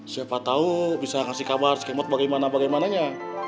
siapa tau bisa kasih kabar si kemot bagaimana bagaimananya